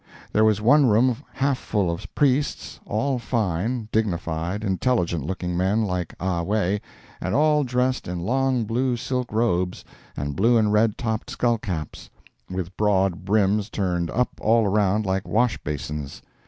There was one room half full of priests, all fine, dignified, intelligent looking men like Ah Wae, and all dressed in long blue silk robes, and blue and red topped skull caps, with broad brims turned up all round like wash basins.